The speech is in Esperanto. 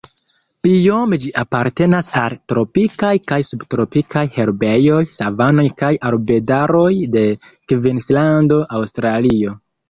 Biome ĝi apartenas al tropikaj kaj subtropikaj herbejoj, savanoj kaj arbedaroj de Kvinslando, Aŭstralio.